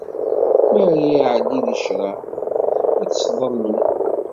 Mi ara iɛeddi di ccreɛ, ad t-sḍelmen.